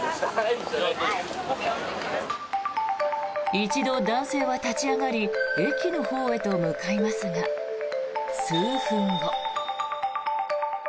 一度、男性は立ち上がり駅のほうへと向かいますが数分後。